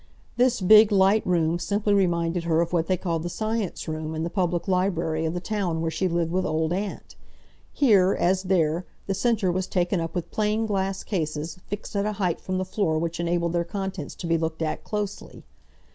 This big, light room simply reminded her of what they called the Science Room in the public library of the town where she lived with Old Aunt. Here, as there, the centre was taken up with plain glass cases fixed at a height from the floor which enabled their contents to be looked at closely.